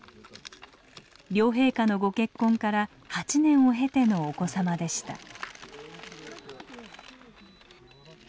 両陛下のご結婚から８年を経てのお子様でした。